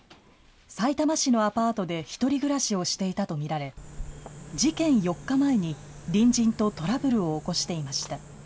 さいたま市のアパートで１人暮らしをしていたと見られ事件４日前に隣人とトラブルを起こしていました。